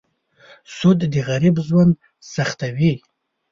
سود د غریب ژوند سختوي.